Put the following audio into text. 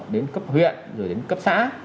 đến cấp huyện rồi đến cấp xã